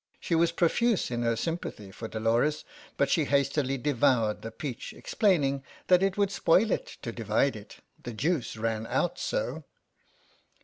She was profuse in her sympathy for Dolores, but she hastily devoured the peach, explaining that it would spoil it to divide it ; the juice ran out so.